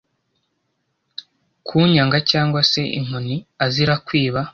kanyanga cyangwa se inkoni azira kwiba,